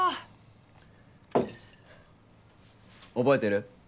覚えてる？